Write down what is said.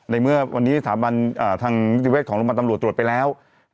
ในเมื่อวันนี้สถาบันทางนิติเวชของโรงพยาบาลตำรวจตรวจไปแล้ว